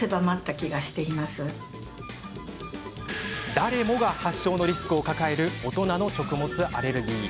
誰もが発症のリスクを抱える大人の食物アレルギー。